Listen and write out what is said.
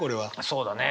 そうだね。